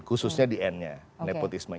khususnya di n nya nepotisme